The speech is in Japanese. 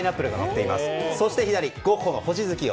そして、ゴッホの「星月夜」